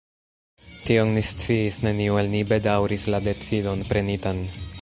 Tion ni sciis: neniu el ni bedaŭris la decidon prenitan.